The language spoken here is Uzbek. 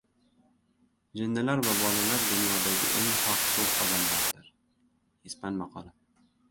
Jinnilar va bolalar dunyodagi eng haqso‘z odamlardir. Ispan maqoli